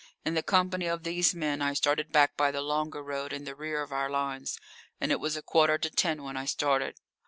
In the company of these men I started back by the longer road in the rear of our lines. And it was a quarter to ten when I started.